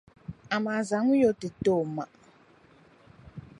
dinzuɣu zaŋmi ya o n-ti n ti o ma